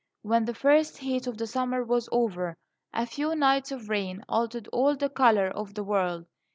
When the first heat of the summer was over, a few nights of rain altered all the colour of the world.